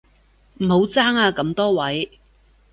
唔好爭啊咁多位